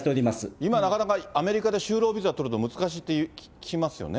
今、なかなかアメリカで就労ビザ取るの難しいって聞きますよね。